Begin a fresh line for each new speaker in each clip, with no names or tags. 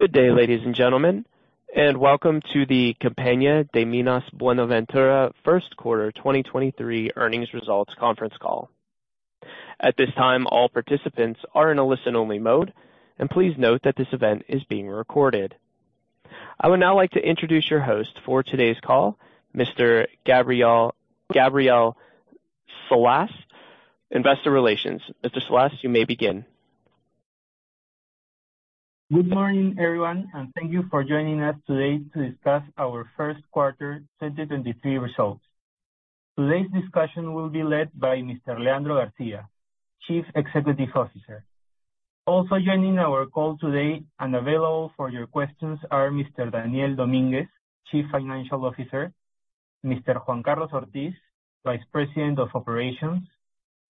Good day, ladies and gentlemen, welcome to the Compañía de Minas Buenaventura first quarter 2023 earnings results conference call. At this time, all participants are in a listen-only mode. Please note that this event is being recorded. I would now like to introduce your host for today's call, Mr. Gabriel Salas, Investor Relations. Mr. Salas, you may begin.
Good morning, everyone. Thank you for joining us today to discuss our first quarter 2023 results. Today's discussion will be led by Mr. Leandro Garcia, Chief Executive Officer. Also joining our call today and available for your questions are Mr. Daniel Dominguez, Chief Financial Officer, Mr. Juan Carlos Ortiz, Vice President of Operations,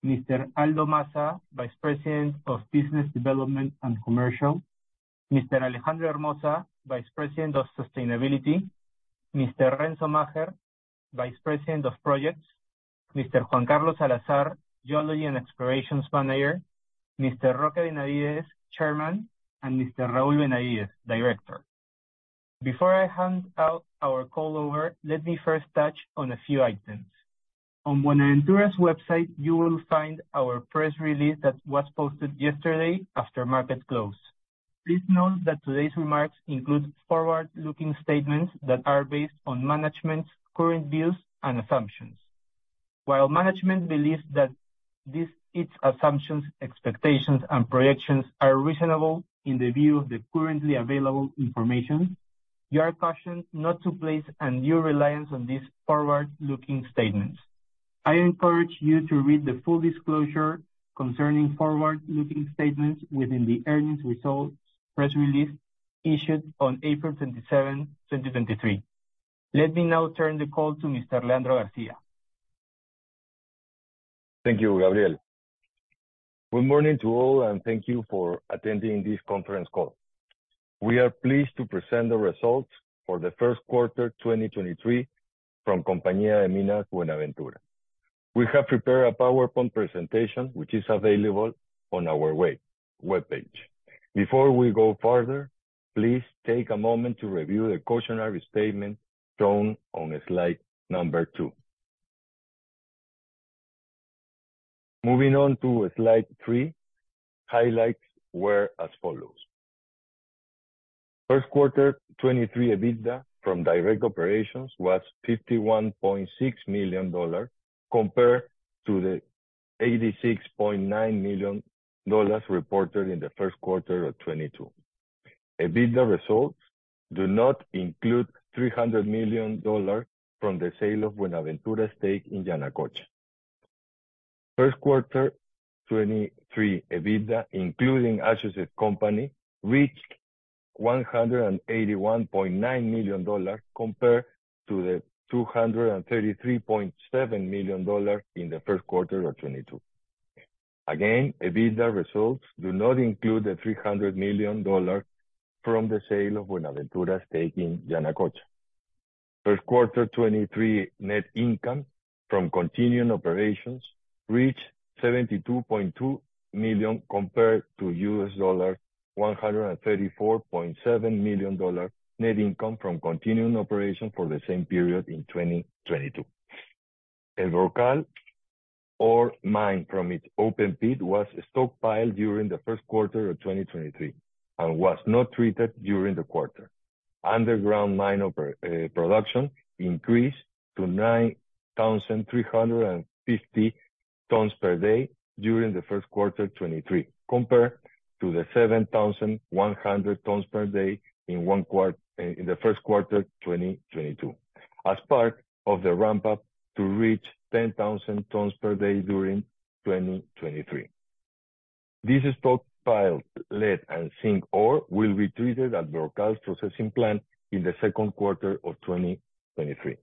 Mr. Aldo Massa, Vice President of Business Development and Commercial, Mr. Alejandro Hermoza, Vice President of Sustainability, Mr. Renzo Macher, Vice President of Projects, Mr. Juan Carlos Salazar, Geology and Exploration Manager, Mr. Roque Benavides, Chairman, and Mr. Raul Benavides, Director. Before I hand out our call over, let me first touch on a few items. On Buenaventura's website, you will find our press release that was posted yesterday after market close. Please note that today's remarks include forward-looking statements that are based on management's current views and assumptions. While management believes that its assumptions, expectations, and projections are reasonable in the view of the currently available information, you are cautioned not to place undue reliance on these forward-looking statements. I encourage you to read the full disclosure concerning forward-looking statements within the earnings results press release issued on April 27, 2023. Let me now turn the call to Mr. Leandro Garcia.
Thank you, Gabriel. Good morning to all, and thank you for attending this conference call. We are pleased to present the results for the first quarter 2023 from Compañía de Minas Buenaventura. We have prepared a PowerPoint presentation which is available on our webpage. Before we go further, please take a moment to review the cautionary statement shown on slide number two. Moving on to slide three, highlights were as follows: First quarter 2023 EBITDA from direct operations was $51.6 million compared to the $86.9 million reported in the first quarter of 2022. EBITDA results do not include $300 million from the sale of Buenaventura stake in Yanacocha. First quarter 2023 EBITDA, including associate company, reached $181.9 million compared to the $233.7 million in the first quarter of 2022. EBITDA results do not include the $300 million from the sale of Buenaventura's stake in Yanacocha. First quarter 2022 net income from continuing operations reached $72.2 million compared to $134.7 million net income from continuing operation for the same period in 2022. El Brocal ore mined from its open pit was stockpiled during the first quarter of 2023 and was not treated during the quarter. Underground mine production increased to 9,350 tons per day during the first quarter 2023 compared to 7,100 tons per day in the first quarter 2022 as part of the ramp up to reach 10,000 tons per day during 2023. This stockpiled lead and zinc ore will be treated at Brocal's processing plant in the second quarter of 2023.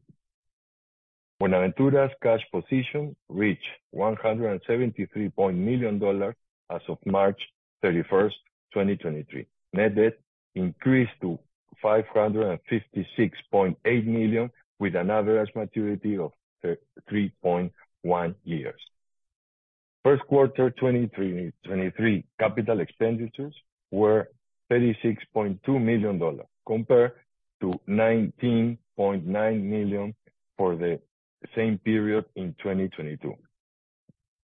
Buenaventura's cash position reached $173 million as of March 31, 2023. Net debt increased to $556.8 million with an average maturity of three point one-years. First quarter 2023 CapEx were $36.2 million compared to $19.9 million for the same period in 2022.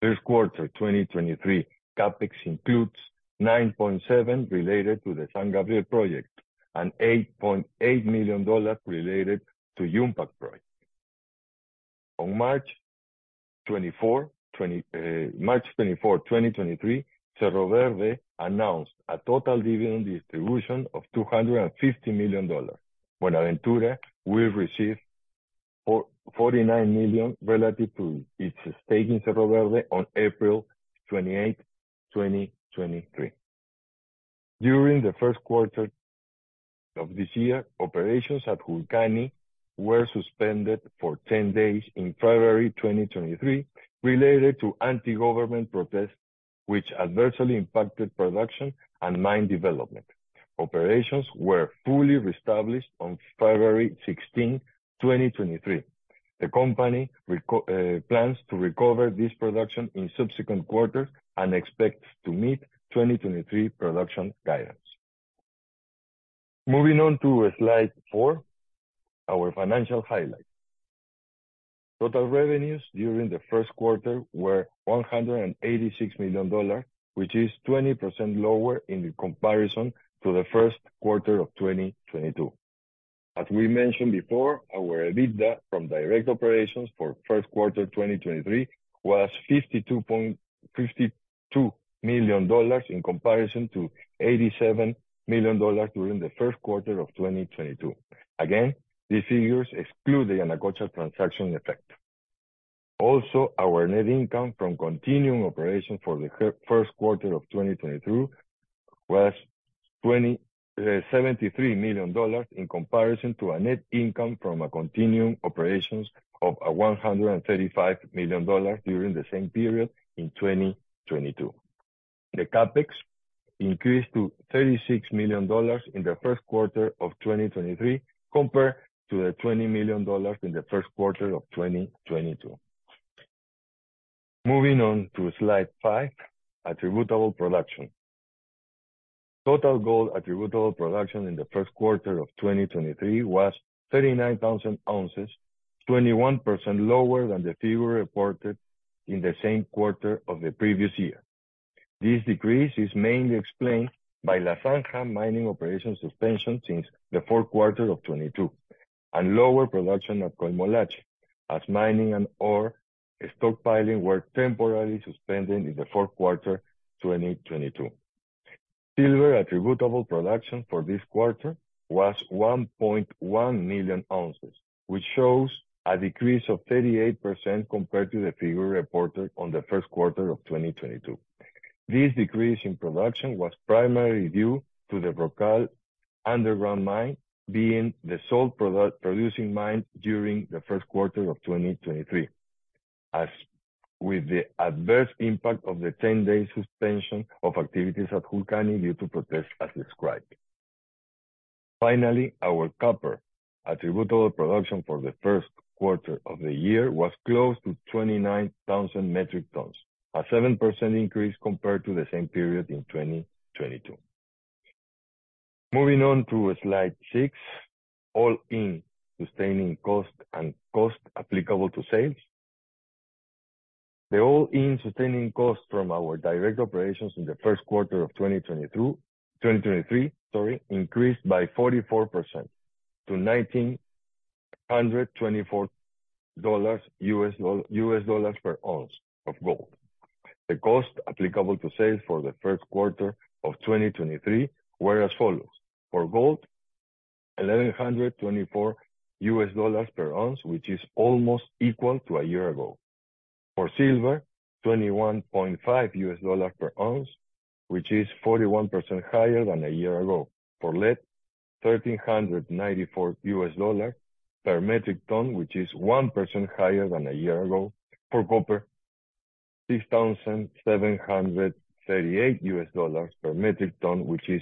First quarter 2023 CapEx includes $9.7 million related to the San Gabriel project and $8.8 million related to Yumpag project. On March 24, 2023, Cerro Verde announced a total dividend distribution of $250 million. Buenaventura will receive $49 million relative to its stake in Cerro Verde on April 28, 2023. During the first quarter of this year, operations at Julcani were suspended for 10 days in February 2023 related to anti-government protests which adversely impacted production and mine development. Operations were fully reestablished on February 16, 2023. The company plans to recover this production in subsequent quarters and expects to meet 2023 production guidance. Moving on to slide four, our financial highlights. Total revenues during the first quarter were $186 million, which is 20% lower in comparison to the first quarter of 2022. As we mentioned before, our EBITDA from direct operations for first quarter 2023 was $52 million in comparison to $87 million during the first quarter of 2022. Again, these figures exclude the Yanacocha transaction effect. Our net income from continuing operations for the first quarter of 2022 was $73 million in comparison to a net income from a continuing operations of $135 million during the same period in 2022. The CapEx increased to $36 million in the first quarter of 2023 compared to the $20 million in the first quarter of 2022. Moving on to slide 5, attributable production. Total gold attributable production in the first quarter of 2023 was 39,000 ounces, 21% lower than the figure reported in the same quarter of the previous year. This decrease is mainly explained by Las Bambas mining operation suspension since the fourth quarter of 2022 and lower production at Moyollani as mining and ore stockpiling were temporarily suspended in the fourth quarter 2022. Silver attributable production for this quarter was 1.1 million ounces, which shows a decrease of 38% compared to the figure reported on the first quarter of 2022. This decrease in production was primarily due to the Brocal underground mine being the sole producing mine during the first quarter of 2023. As with the adverse impact of the 10-day suspension of activities at Julcani due to protests as described. Finally, our copper attributable production for the first quarter of the year was close to 29,000 metric tons, a 7% increase compared to the same period in 2022. Moving on to slide six, all-in sustaining cost and cost applicable to sales. The all-in sustaining cost from our direct operations in the first quarter of 2023, sorry, increased by 44% to $1,924 per ounce of gold. The cost applicable to sales for the first quarter of 2023 were as follows: For gold, $1,124 per ounce, which is almost equal to a year ago. For silver, $21.5 per ounce, which is 41% higher than a year ago. For lead, $1,394 per metric ton, which is 1% higher than a year ago. For copper, $6,738 per metric ton, which is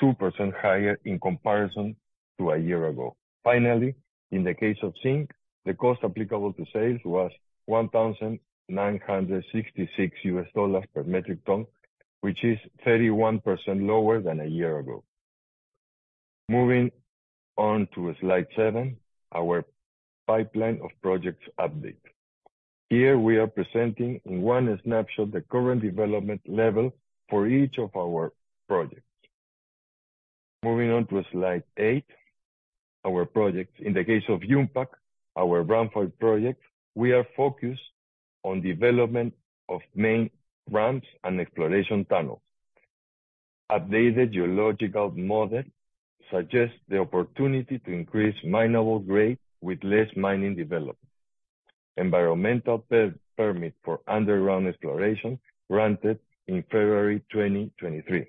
2% higher in comparison to a year ago. In the case of zinc, the cost applicable to sales was $1,966 per metric ton, which is 31% lower than a year ago. Moving on to slide seven, our pipeline of projects update. Here we are presenting in one snapshot the current development level for each of our projects. Moving on to slide eight, our projects. In the case of Yumpag, our ramp project, we are focused on development of main ramps and exploration tunnel. Updated geological model suggests the opportunity to increase mineable grade with less mining development. Environmental permit for underground exploration granted in February 2023.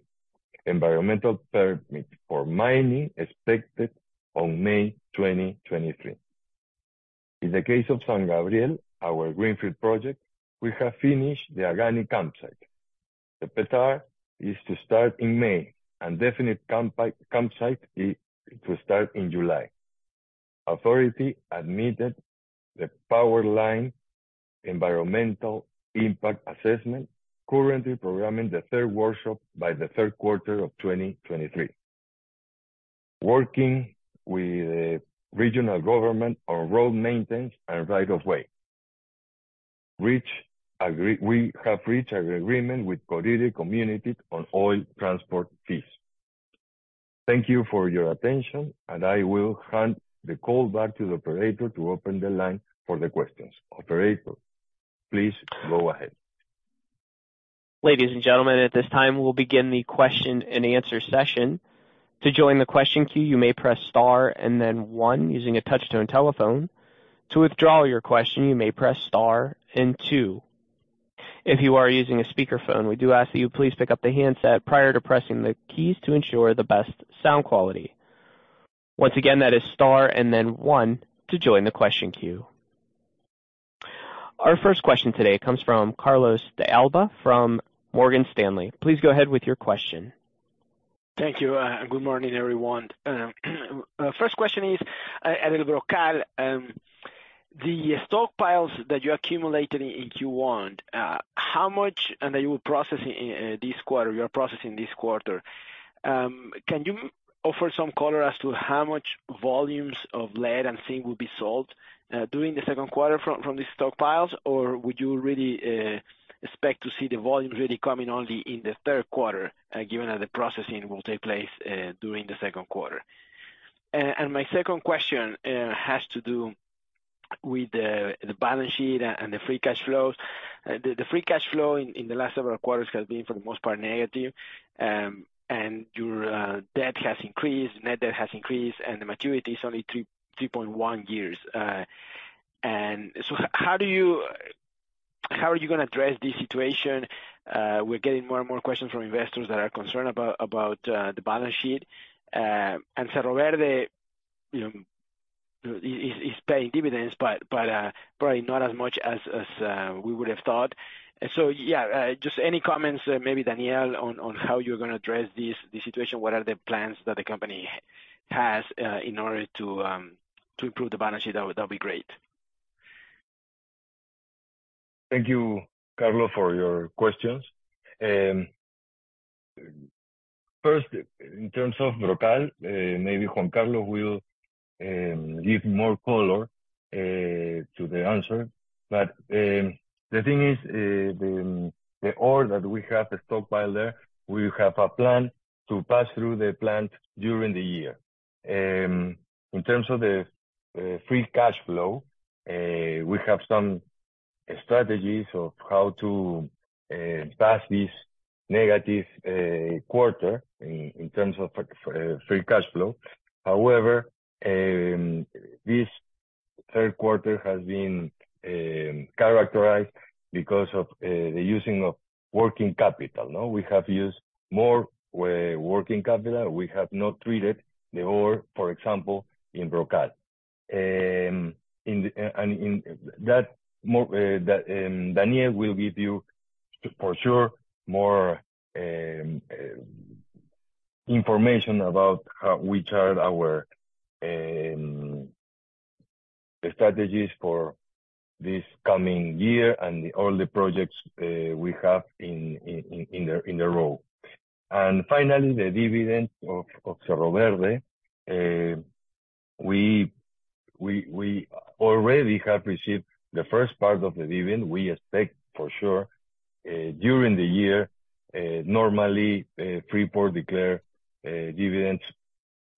Environmental permit for mining expected on May 2023. In the case of San Gabriel, our Greenfield project, we have finished the Agani campsite. The PETAR is to start in May and definite campsite is to start in July. Authority admitted the power line environmental impact assessment, currently programming the third workshop by the third quarter of 2023. Working with the regional government on road maintenance and right of way. We have reached an agreement with Codire community on oil transport fees. Thank you for your attention, I will hand the call back to the operator to open the line for the questions. Operator, please go ahead.
Ladies and gentlemen, at this time, we'll begin the question-and-answer session. To join the question queue, you may press star and then one using a touch-tone telephone. To withdraw your question, you may press star and two. If you are using a speakerphone, we do ask that you please pick up the handset prior to pressing the keys to ensure the best sound quality. Once again, that is star and then one to join the question queue. Our first question today comes from Carlos de Alba from Morgan Stanley. Please go ahead with your question.
Thank you. Good morning, everyone. First question is at El Brocal, the stockpiles that you accumulated in Q1, how much and that you will process in this quarter, you are processing this quarter. Can you offer some color as to how much volumes of lead and zinc will be sold during the second quarter from these stockpiles? Would you really expect to see the volume really coming only in the third quarter, given that the processing will take place during the second quarter? My second question has to do with the balance sheet and the free cash flows. The free cash flow in the last several quarters has been, for the most part, negative. Your debt has increased, net debt has increased, and the maturity is only three to three point one-years. How are you gonna address this situation? We're getting more and more questions from investors that are concerned about the balance sheet. Cerro Verde, you know, is paying dividends, but probably not as much as we would have thought. Yeah, just any comments, maybe Daniel, on how you're gonna address this situation. What are the plans that the company has in order to improve the balance sheet? That'd be great.
Thank you, Carlos, for your questions. First, in terms of Brocal, maybe Juan Carlos will give more color to the answer. The thing is, the ore that we have stockpiled there, we have a plan to pass through the plant during the year. In terms of the free cash flow, we have some strategies of how to pass this negative quarter in terms of free cash flow. However, this third quarter has been characterized because of the using of working capital, no? We have used more working capital. We have not treated the ore, for example, in Brocal. That Daniel will give you, for sure, more information about how, which are our strategies for this coming year and all the projects we have in the row. Finally, the dividend of Cerro Verde, we already have received the first part of the dividend. We expect for sure, during the year, normally, Freeport declare dividends,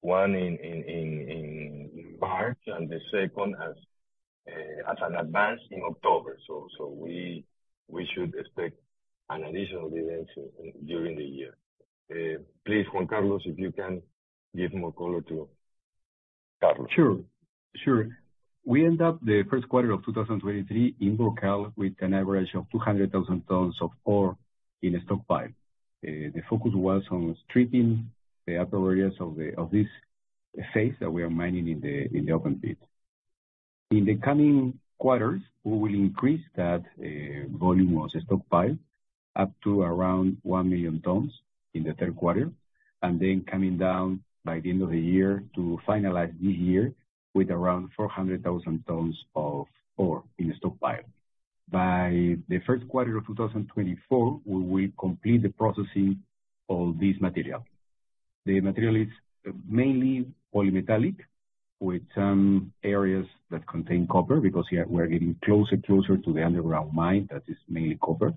one in March and the second as an advance in October. We should expect an additional dividend during the year. Please, Juan Carlos, if you can give more color to Carlos.
Sure. Sure. We end up the first quarter of 2023 in Brocal with an average of 200,000 tons of ore in a stockpile. The focus was on treating the upper areas of the, of this phase that we are mining in the, in the open pit. In the coming quarters, we will increase that volume of the stockpile up to around 1 million tons in the third quarter, and then coming down by the end of the year to finalize this year with around 400,000 tons of ore in the stockpile. By the first quarter of 2024, we will complete the processing all this material. The material is mainly polymetallic with some areas that contain copper because here we're getting closer and closer to the underground mine that is mainly copper.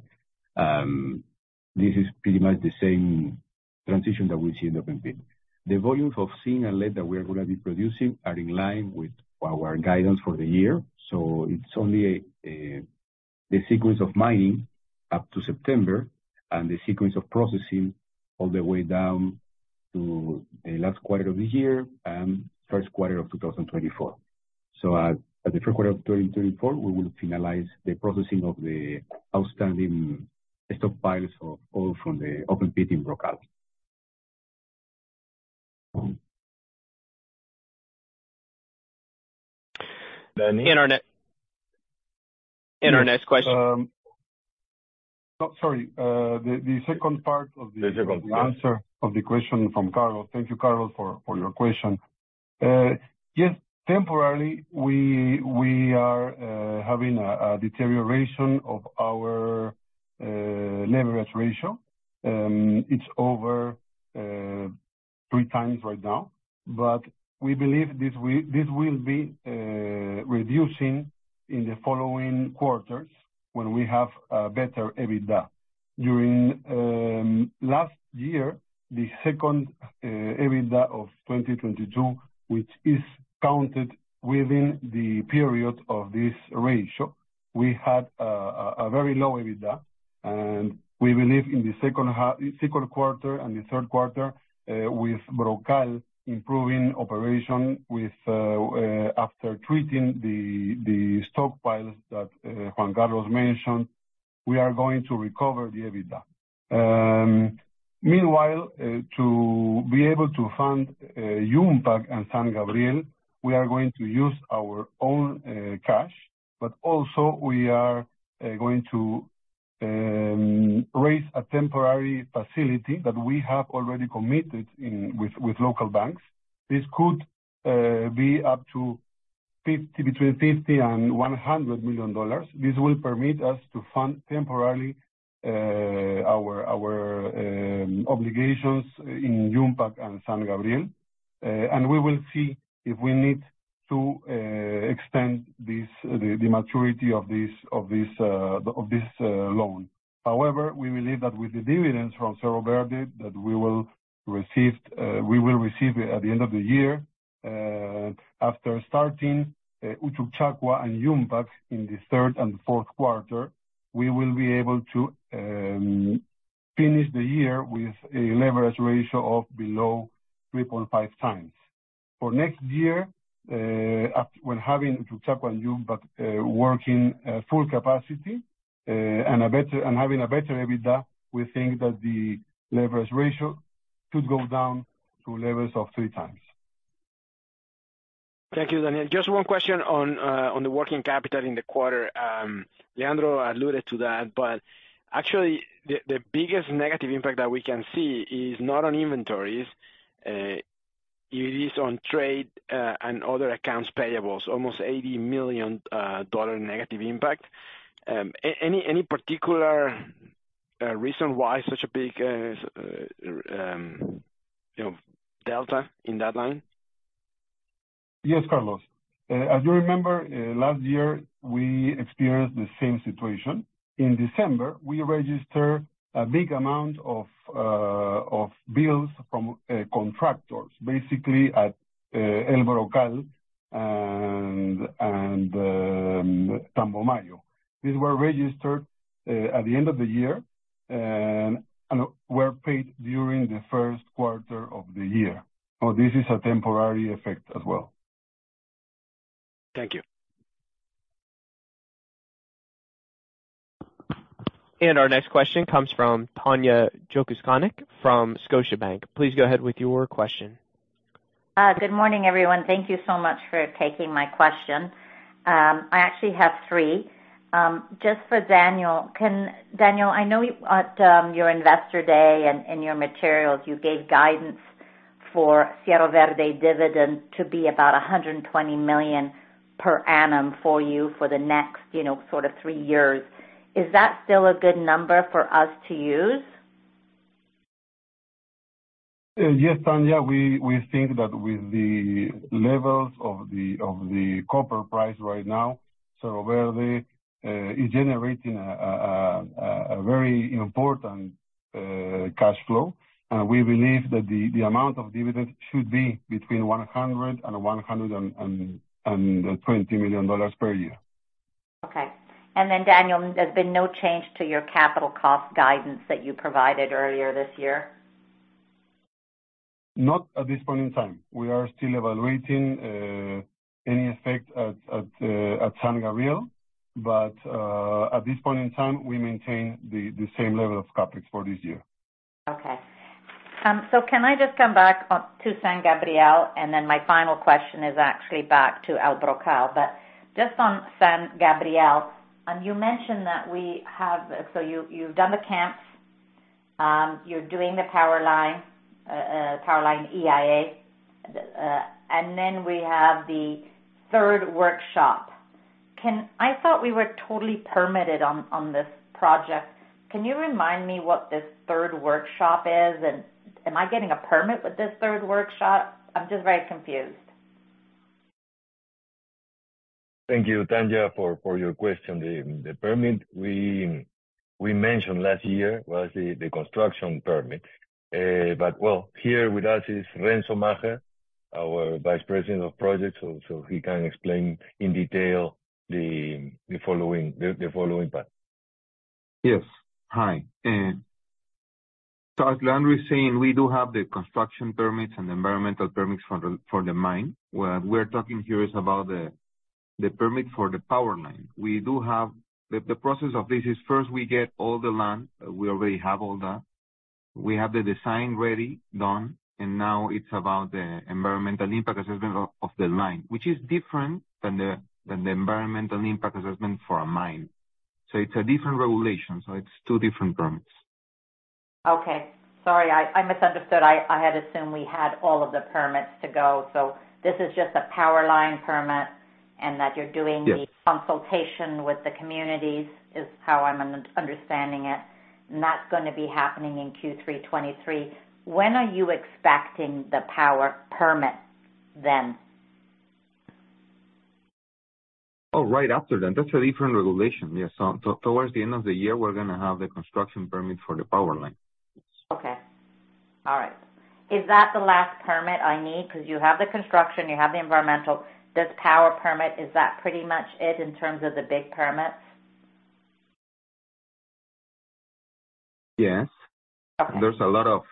This is pretty much the same transition that we see in the open pit. The volumes of zinc and lead that we are gonna be producing are in line with our guidance for the year. It's only the sequence of mining up to September and the sequence of processing all the way down to the last quarter of the year and first quarter of 2024. At the first quarter of 2024, we will finalize the processing of the outstanding stockpiles of ore from the open pit in Brocal. Internet. Internet's question.
Sorry. The second part of
Visible. Yes.
Answer of the question from Carlos. Thank you, Carlos, for your question. Yes, temporarily, we are having a deterioration of our leverage ratio. It's over three times right now. We believe this will be reducing in the following quarters when we have a better EBITDA. During last year, the second EBITDA of 2022, which is counted within the period of this ratio, we had a very low EBITDA. We believe in the second half, second quarter and the third quarter, with Brocal improving operation with after treating the stockpiles that Juan Carlos mentioned We are going to recover the EBITDA. Meanwhile, to be able to fund Yumpag and San Gabriel, we are going to use our own cash. Also we are going to raise a temporary facility that we have already committed with local banks. This could be up to between $50 million and $100 million. This will permit us to fund temporarily our obligations in Yumpag and San Gabriel. We will see if we need to extend the maturity of this loan. We believe that with the dividends from Cerro Verde that we will receive, we will receive at the end of the year, after starting Uchucchacua and Yumpag in the third and fourth quarter, we will be able to finish the year with a leverage ratio of below three point five times. For next year, with having Uchucchacua and Yumpag working at full capacity, and having a better EBITDA, we think that the leverage ratio could go down to levels of three times.
Thank you, Daniel. Just one question on the working capital in the quarter. Leandro alluded to that. Actually the biggest negative impact that we can see is not on inventories, it is on trade, and other accounts payables, almost $80 million negative impact. Any particular reason why such a big, you know, delta in that line?
Yes, Carlos. As you remember, last year, we experienced the same situation. In December, we registered a big amount of bills from contractors, basically at El Brocal and Tambomayo. These were registered at the end of the year and were paid during the first quarter of the year. This is a temporary effect as well.
Thank you.
Our next question comes from Tanya Jakusconek from Scotiabank. Please go ahead with your question.
Good morning, everyone. Thank you so much for taking my question. I actually have three. Just for Daniel. Daniel, I know at your investor day and in your materials, you gave guidance for Cerro Verde dividend to be about $120 million per annum for you for the next, you know, sort of three-years. Is that still a good number for us to use?
Yes, Tanya. We think that with the levels of the copper price right now, Cerro Verde is generating a very important cash flow. We believe that the amount of dividends should be between $100 million and $120 million per year.
Okay. Daniel, there's been no change to your capital cost guidance that you provided earlier this year?
Not at this point in time. We are still evaluating any effect at San Gabriel. At this point in time, we maintain the same level of CapEx for this year.
Okay. Can I just come back on to San Gabriel? My final question is actually back to El Brocal. Just on San Gabriel, you mentioned that we have. You've done the camps, you're doing the power line EIA, we have the third workshop. I thought we were totally permitted on this project. Can you remind me what this third workshop is? Am I getting a permit with this third workshop? I'm just very confused.
Thank you, Tanya, for your question. The permit we mentioned last year was the construction permit. Well, here with us is Renzo Macher, our Vice President of Projects, he can explain in detail the following the following part.
Yes. Hi. As Leandro is saying, we do have the construction permits and environmental permits for the mine. What we're talking here is about the permit for the power line. We do have. The process of this is first we get all the land. We already have all that. We have the design ready, done, and now it's about the environmental impact assessment of the line, which is different than the environmental impact assessment for a mine. It's a different regulation. It's two different permits.
Okay. Sorry, I misunderstood. I had assumed we had all of the permits to go. This is just a power line permit, and that you're doing-
Yes.
The consultation with the communities, is how I'm understanding it. That's gonna be happening in Q3 2023. When are you expecting the power permit then?
Oh, right after then. That's a different regulation. Yes. Towards the end of the year, we're gonna have the construction permit for the power line.
Okay. All right. Is that the last permit I need? 'Cause you have the construction, you have the environmental. This power permit, is that pretty much it in terms of the big permits?
Yes.
Okay.
There's a lot of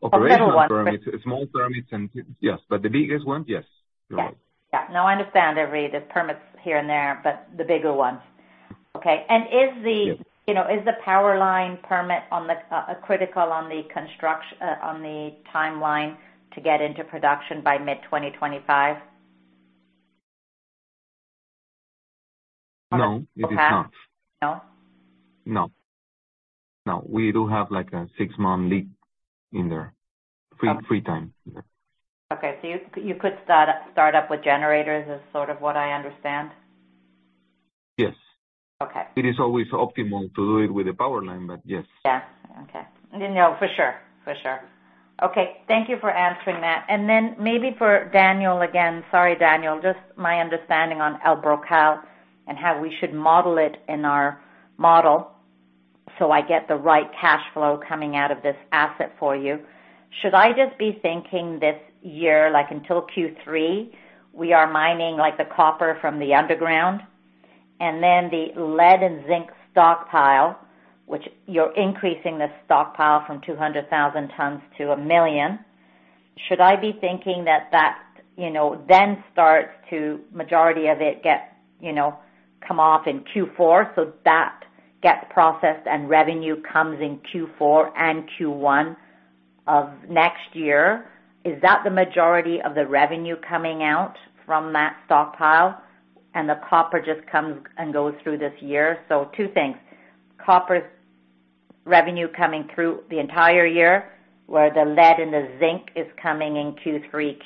operational-
The little ones.
Permits, small permits and. Yes, but the biggest ones, yes, you're right.
Yeah. Yeah. No, I understand there were the permits here and there, but the bigger ones. Okay.
Yes.
You know, is the power line permit on the critical on the timeline to get into production by mid-2025?
No, it is not.
Okay. No?
No. No. We do have, like, a six-month lead in there.
Okay.
Free time, yeah.
Okay. You could start up with generators is sort of what I understand.
Yes.
Okay.
It is always optimal to do it with the power line, but yes.
Yeah. Okay. No, for sure. For sure. Okay, thank you for answering that. Maybe for Daniel again. Sorry, Daniel. Just my understanding on El Brocal and how we should model it in our model so I get the right cash flow coming out of this asset for you. Should I just be thinking this year, like until Q3, we are mining, like, the copper from the underground? The lead and zinc stockpile, which you're increasing the stockpile from 200,000 tons to 1 million. Should I be thinking that that, you know, then starts to majority of it get, you know, come off in Q4 so that gets processed and revenue comes in Q4 and Q1 of next year? Is that the majority of the revenue coming out from that stockpile, and the copper just comes and goes through this year? Two things. Copper's revenue coming through the entire year, where the lead and the zinc is coming in Q3,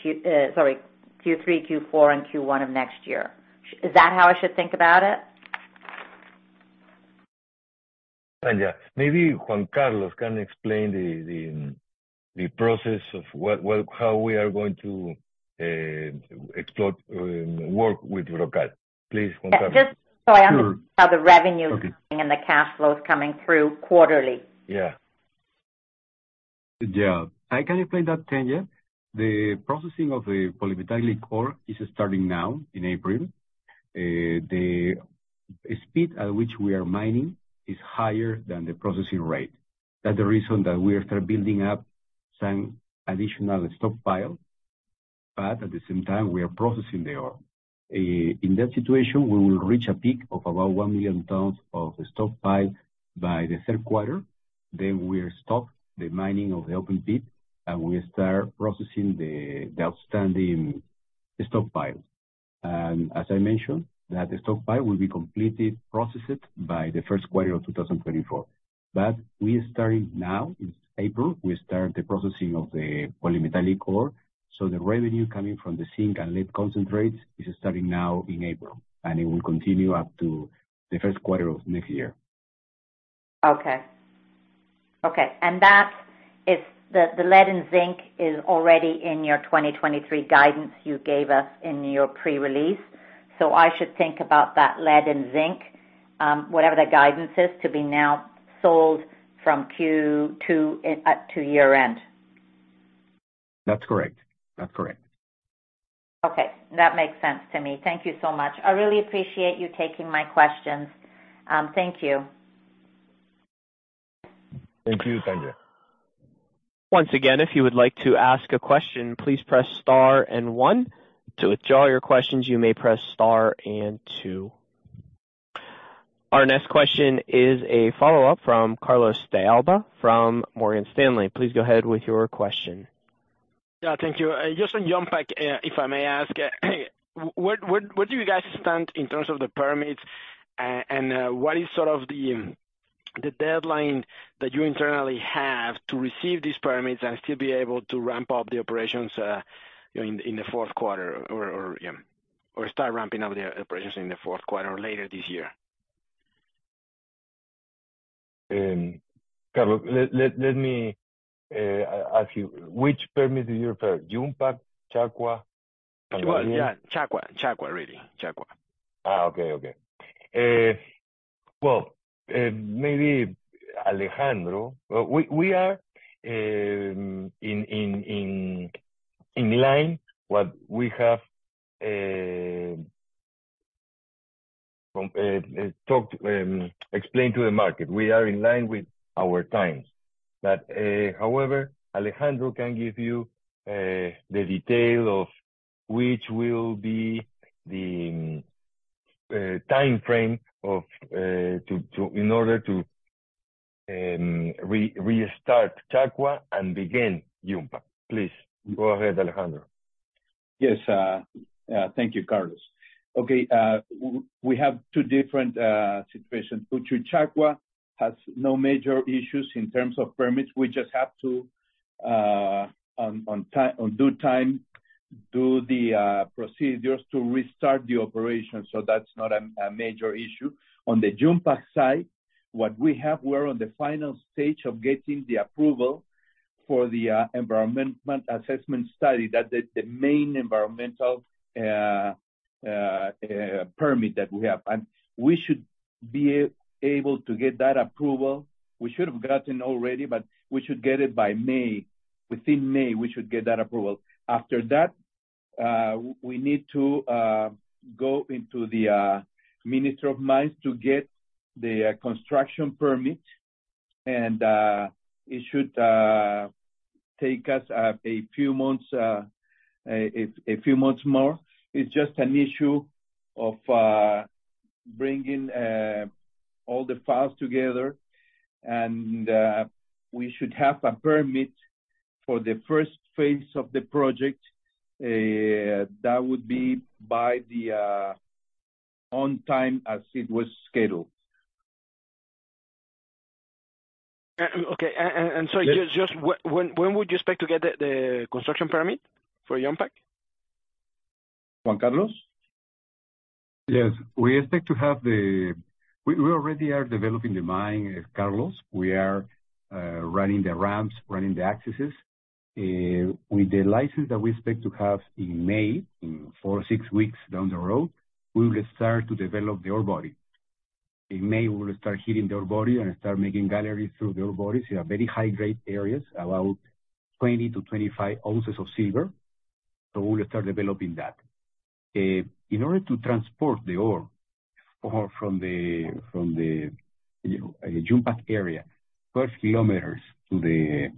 Q4, and Q1 of next year. Is that how I should think about it?
Tanya, maybe Juan Carlos can explain the process of how we are going to exploit, work with El Brocal. Please, Juan Carlos.
Yeah, just so I.
Sure.
how the revenue-
Okay.
The cash flow is coming through quarterly.
Yeah.
I can explain that, Tanya Jakusconek. The processing of the polymetallic ore is starting now in April. The speed at which we are mining is higher than the processing rate. That's the reason that we are start building up some additional stockpile. At the same time, we are processing the ore. In that situation, we will reach a peak of about 1 million tons of stockpile by the third quarter. We'll stop the mining of the open pit, and we start processing the outstanding stockpile. As I mentioned, that the stockpile will be completely processed by the first quarter of 2024. We are starting now, in April, we start the processing of the polymetallic ore. The revenue coming from the zinc and lead concentrates is starting now in April, and it will continue up to the first quarter of next year.
Okay. Okay. That is the lead and zinc is already in your 2023 guidance you gave us in your pre-release. I should think about that lead and zinc, whatever that guidance is to be now sold from Q2 to year-end.
That's correct. That's correct.
Okay. That makes sense to me. Thank you so much. I really appreciate you taking my questions. Thank you.
Thank you, Tanya.
Once again, if you would like to ask a question, please press star one. To withdraw your questions, you may press star two. Our next question is a follow-up from Carlos de Alba from Morgan Stanley. Please go ahead with your question.
Yeah, thank you. Just on Yumpag, if I may ask, what do you guys stand in terms of the permits? What is sort of the deadline that you internally have to receive these permits and still be able to ramp up the operations, you know, in the fourth quarter or start ramping up the operations in the fourth quarter later this year?
Carlos, let me ask you. Which permit do you prefer? Yumpag? Uchucchacua?
Yeah. Uchucchacua, really. Uchucchacua.
Okay. Okay. Well, maybe Alejandro. We are in line what we have from talk explained to the market. We are in line with our times. However, Alejandro can give you the detail of which will be the timeframe of in order to re-restart Uchucchacua and begin Yumpag. Please go ahead, Alejandro.
Yes. Thank you, Carlos. Okay, we have two different situations. Uchu-Chaqua has no major issues in terms of permits. We just have to on due time, do the procedures to restart the operation. That's not a major issue. On the Yumpag side, what we have, we're on the final stage of getting the approval for the environment assessment study. That's the main environmental permit that we have. We should be able to get that approval. We should have gotten already, but we should get it by May. Within May, we should get that approval. After that- We need to go into the Minister of Mines to get the construction permit. It should take us a few months, a few months more. It's just an issue of bringing all the files together. We should have a permit for the first phase of the project. That would be by the on time as it was scheduled.
Okay. Sorry, just when would you expect to get the construction permit for Yumpag?
Juan Carlos?
Yes. We already are developing the mine, Carlos. We are running the ramps, running the accesses. With the license that we expect to have in May, in four to six weeks down the road, we will start to develop the ore body. In May, we'll start hitting the ore body and start making galleries through the ore bodies. They are very high-grade areas, about 20 to 25 ounces of silver, so we'll start developing that. In order to transport the ore from the Yumpag area, first km to the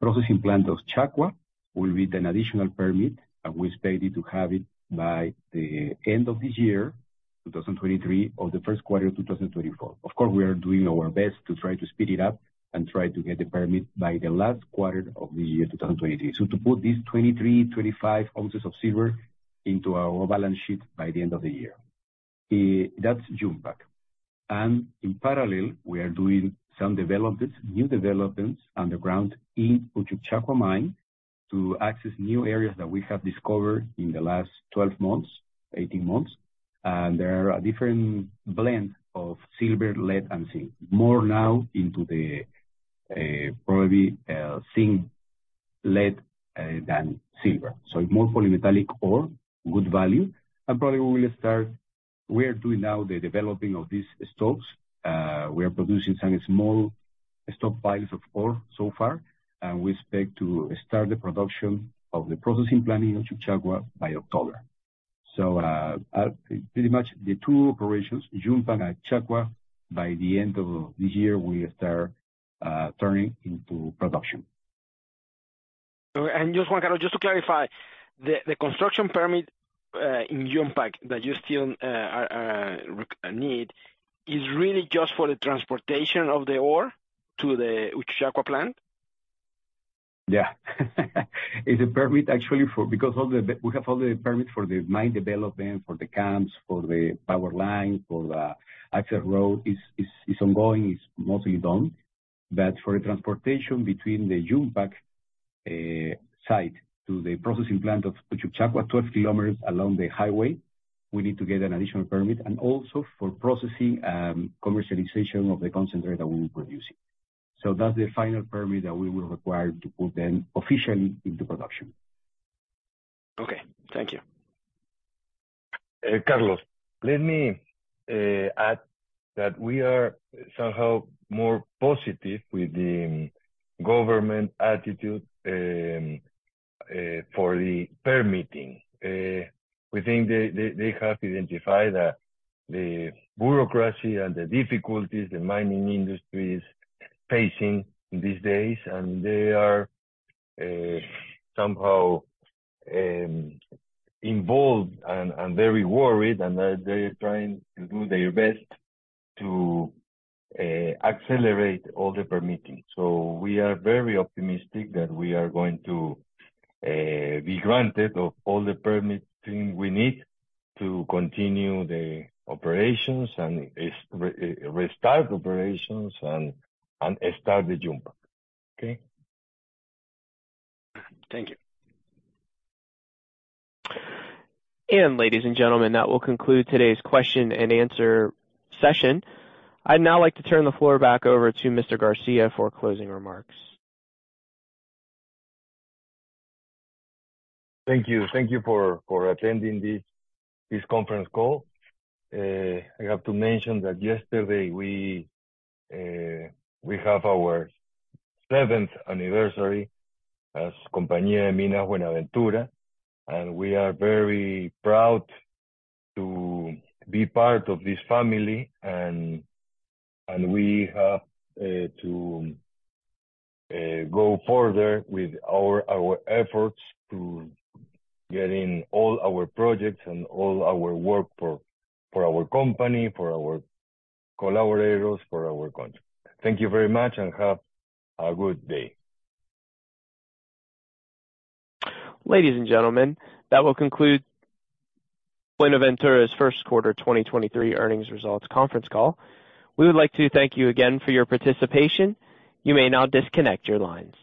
processing plant of Chaqua will be an additional permit, and we expect it to have it by the end of this year, 2023, or the first quarter of 2024. Of course, we are doing our best to try to speed it up and try to get the permit by the last quarter of the year 2023. To put these 23-25 ounces of silver into our balance sheet by the end of the year. That's Yumpag. In parallel, we are doing some developments, new developments underground in Uchucchacua mine to access new areas that we have discovered in the last 12 months, 18 months. There are different blend of silver, lead, and zinc. More now into the probably zinc, lead than silver. More polymetallic ore, good value. Probably we will start. We are doing now the developing of these stopes. We are producing some small stock piles of ore so far, and we expect to start the production of the processing plant in Uchucchacua by October. Pretty much the two operations, Yumpag and Chaqua, by the end of the year, we will start turning into production.
Just, Juan Carlos, just to clarify, the construction permit in Yumpag that you still are need is really just for the transportation of the ore to the Uchucchacua plant?
Yeah. It's a permit actually for. We have all the permits for the mine development, for the camps, for the power line, for the access road. It's ongoing. It's mostly done. For the transportation between the Yumpag site to the processing plant of Uchucchacua, 12 km along the highway, we need to get an additional permit. Also for processing, commercialization of the concentrate that we'll be producing. That's the final permit that we will require to put them officially into production.
Okay. Thank you.
Carlos, let me add that we are somehow more positive with the government attitude for the permitting. We think they have identified the bureaucracy and the difficulties the mining industry is facing these days. They are somehow involved and very worried, and they're trying to do their best to accelerate all the permitting. We are very optimistic that we are going to be granted of all the permitting we need to continue the operations and restart operations and start the Yumpag. Okay?
Thank you.
Ladies and gentlemen, that will conclude today's question and answer session. I'd now like to turn the floor back over to Mr. Garcia for closing remarks.
Thank you. Thank you for attending this conference call. I have to mention that yesterday we have our seventh anniversary as Compañía de Minas Buenaventura, and we are very proud to be part of this family. We have to go further with our efforts to getting all our projects and all our work for our company, for our collaborators, for our country. Thank you very much, and have a good day.
Ladies and gentlemen, that will conclude Buenaventura's first quarter 2023 earnings results conference call. We would like to thank you again for your participation. You may now disconnect your lines.